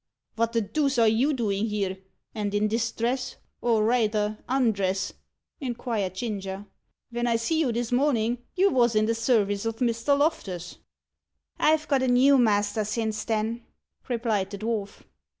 "Vot the deuce are you doing here, and in this dress, or rayther undress?" inquired Ginger. "Ven I see you this mornin', you wos in the serwice of Mr. Loftus." "I've got a new master since then," replied the dwarf.